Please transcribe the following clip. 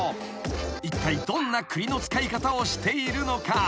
［いったいどんな栗の使い方をしているのか？］